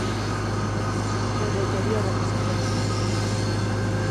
...e o deterioro que se pode producir.